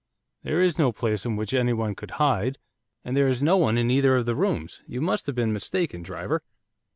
'There is no place in which anyone could hide, and there is no one in either of the rooms, you must have been mistaken, driver.